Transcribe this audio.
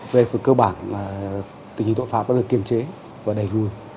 về phần cơ bản là tình hình tội phạm đã được kiềm chế và đẩy rùi